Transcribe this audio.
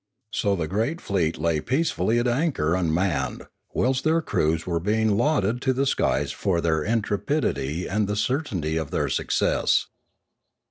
So the great fleet lay peacefully at anchor unmanned, whilst their crews were being lauded to the skies for their intre pidity and the certainty of their success.